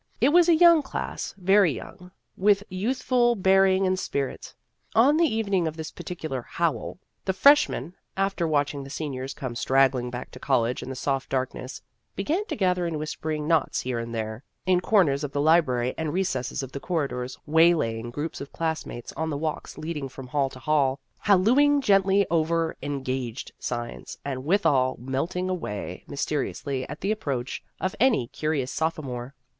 It was a young class very young with youthful bearing and spirit. On the evening of this particular " Howl," the freshmen, after watching the In Search of Experience 21 seniors come straggling back to college in the soft darkness, began to gather in whispering knots here and there, in cor ners of the library and recesses of the corridors, waylaying groups of classmates on the walks leading from Hall to Hall, hallooing gently over " Engaged " signs, and withal melting away mysteriously at the approach of any curious sophomore.